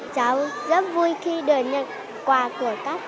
cháu rất vui khi được nhận quà của các